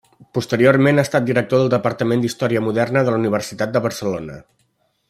Posteriorment ha estat director del Departament d'Història Moderna de la Universitat de Barcelona.